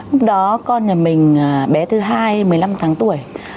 lúc đó con nhà mình bé thứ hai một mươi năm tháng tuổi